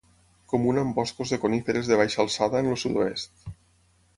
Comuna en boscos de coníferes de baixa alçada en el sud-oest.